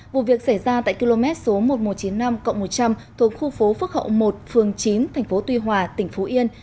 vụ việc xảy ra tại km số một nghìn một trăm chín mươi năm một trăm linh thuộc khu phố phước hậu một phường chín tp tuy hòa tỉnh phú yên